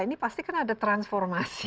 ini pasti kan ada transformasi